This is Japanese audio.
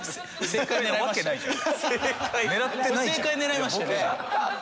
正解狙いましたよね？